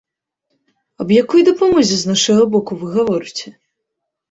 Аб якой дапамозе з нашага боку вы гаворыце?